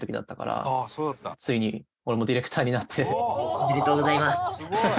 おめでとうございます。